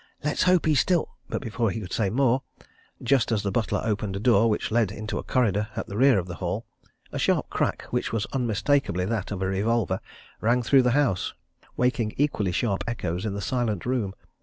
Let's hope he's still " But before he could say more, and just as the butler opened a door which led into a corridor at the rear of the hall, a sharp crack which was unmistakably that of a revolver, rang through the house, waking equally sharp echoes in the silent room.